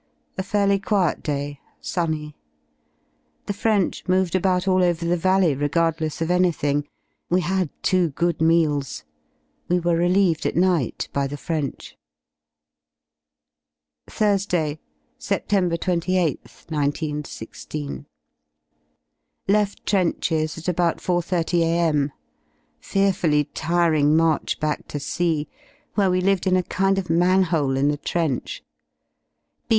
A fairly quiet day, sunny. The French moved about all over the valley regardless of anything. We had two good meals. We were relieved at night by the French. Thursday, Sept. 28th, 19 16. Left trenches at about 4.30 a.m. Fearfully tiring march back to C , where we lived in a kind of manhole in the 70 trench.